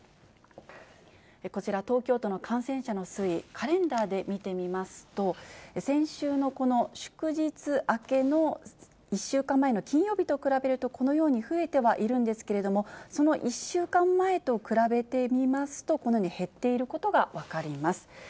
こちら、東京都の感染者の推移、カレンダーで見てみますと、先週のこの祝日明けの１週間前の金曜日と比べるとこのように増えてはいるんですけれども、その１週間前と比べてみますと、このように減っていることが分かります。